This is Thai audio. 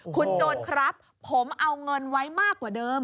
คุณโจรครับผมเอาเงินไว้มากกว่าเดิม